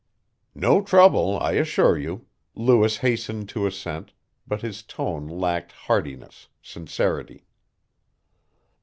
"No trouble, I assure you," Lewis hastened to assent, but his tone lacked heartiness, sincerity.